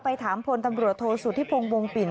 ถามพลตำรวจโทษสุธิพงศ์วงปิ่น